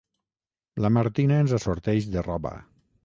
La Martina ens assorteix de roba.